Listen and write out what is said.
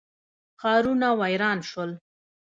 ښارونه ویران شول.